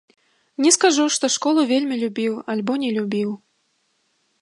Не скажу, што школу вельмі любіў альбо не любіў.